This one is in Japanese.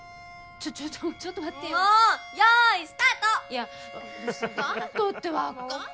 いやスタートってわかんない。